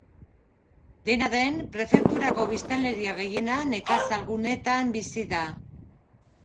Dena den, prefekturako biztanleria gehiena nekazal guneetan bizi da.